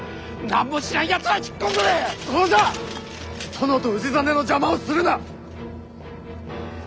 殿と氏真の邪魔をするな！